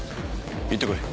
行ってこい。